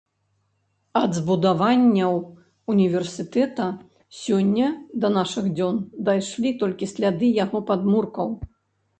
Ад збудаванняў універсітэта сёння да нашых дзён дайшлі толькі сляды яго падмуркаў.